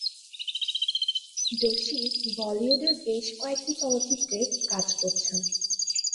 জোশী বলিউডের বেশ কয়েকটি চলচ্চিত্রে কাজ করেছেন।